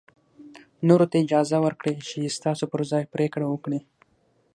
نورو ته اجازه ورکړئ چې ستاسو پر ځای پرېکړه وکړي.